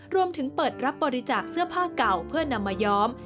รวมถึงเปิดรับบริจาคเสื้อผ้าเก่าเพื่อนำมาย้อม